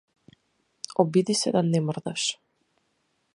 Обиди се да не мрдаш.